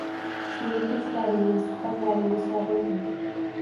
Seni kulishlaringni, suhbatlaringni sog‘indim.